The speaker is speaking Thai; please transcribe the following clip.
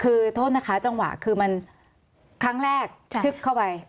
คือโทษนะคะจังหวะคือมันครั้งแรกชึกเข้าไป